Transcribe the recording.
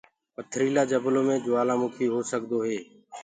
پٿريٚلآ جنلو مي جوآلآ مُڪي هوڪسدو هي۔